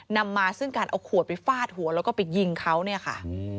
นำมาซึ่งการเอาขวดไปฟาดหัวแล้วก็ไปยิงเขาเนี่ยค่ะ